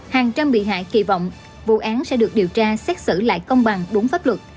hàng trăm bị hại kỳ vọng vụ án sẽ được điều tra xét xử lại công bằng đúng pháp luật